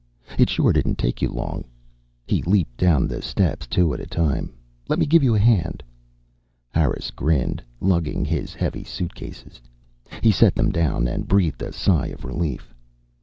"It sure didn't take you long." He leaped down the steps two at a time. "Let me give you a hand." Harris grinned, lugging his heavy suitcases. He set them down and breathed a sigh of relief.